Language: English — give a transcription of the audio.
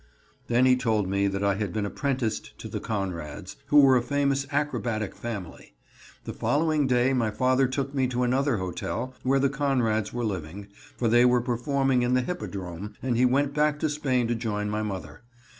Then he told me that I had been apprenticed to the Conrads, who were a famous acrobatic family. The following day my father took me to another hotel where the Conrads were living, for they were performing in the Hippodrome, and he went back to Spain to join my mother.